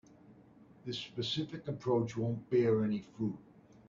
This specific approach won't bear any fruit.